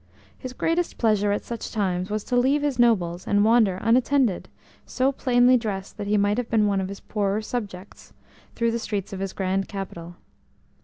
His greatest pleasure at such times was to leave his nobles, and wander unattended, so plainly dressed that he might have been one of his poorer subjects, through the streets of his grand capital.